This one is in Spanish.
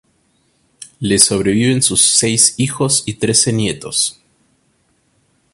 Le sobreviven sus seis hijos y trece nietos.